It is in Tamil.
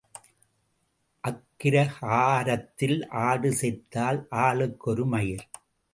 அக்கிரகாரத்தில் ஆடு செத்தால் ஆளுக்கு ஒரு மயிர்.